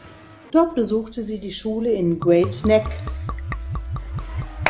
Dort besuchte sie die Schule in Great Neck.